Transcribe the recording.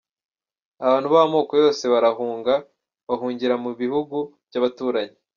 Abantu b’amoko yose barahunga, bahungira mu bihugu by’abaturanyi.